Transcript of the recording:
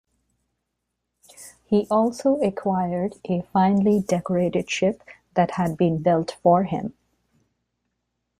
He also acquired a finely decorated ship that had been built for him.